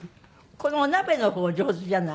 このお鍋の方上手じゃない？